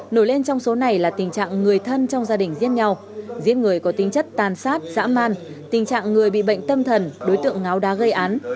nổi lên trong số này là tình trạng người thân trong gia đình giết nhau giết người có tính chất tàn sát dã man tình trạng người bị bệnh tâm thần đối tượng ngáo đá gây án